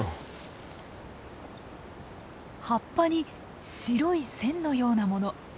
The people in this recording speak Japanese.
葉っぱに白い線のようなもの。